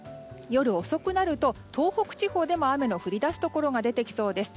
夜遅くなると東北地方でも雨の降り出すところが出てきそうです。